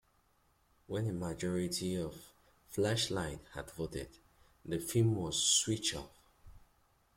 When a majority of flashlights had voted, the film was switched off.